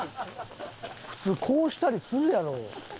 普通こうしたりするやろ。